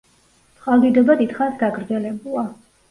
წყალდიდობა დიდხანს გაგრძელებულა.